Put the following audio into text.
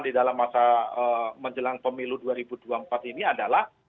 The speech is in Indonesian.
di dalam masa menjelang pemilu dua ribu dua puluh empat ini adalah